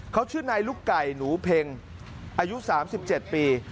เขาชื่อนายลูกไก่หนูเพ็งอายุ๓๗ปี